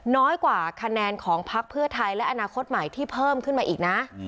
น้อยกว่าคะแนนของพักเพื่อไทยและอนาคตใหม่ที่เพิ่มขึ้นมาอีกนะ